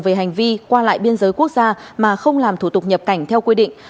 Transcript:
về hành vi qua lại biên giới quốc gia mà không làm thủ tục nhập cảnh theo quy định